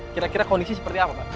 kira kira kondisi seperti apa pak